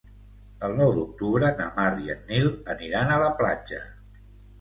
El nou d'octubre na Mar i en Nil aniran a la platja.